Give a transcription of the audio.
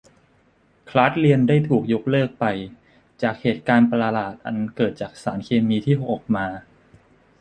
คลาสเรียนได้ถูกยกเลิกไป จากเหตุการณ์ประหลาดอันเกิดจากสารเคมีที่หกออกมา